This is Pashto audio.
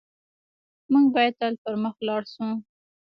موږ بايد تل پر مخ لاړ شو.